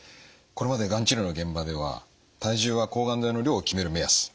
これまでがん治療の現場では体重が抗がん剤の量を決める目安。